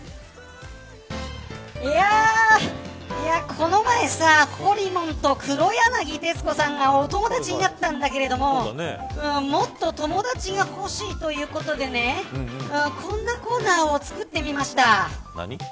この前さ、ほりもんと黒柳徹子さんがお友達になったけどもっと友達が欲しいということでこんなコーナーを作ってみました。